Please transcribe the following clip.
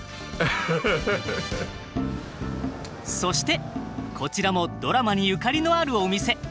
そしてこちらもドラマにゆかりのあるお店。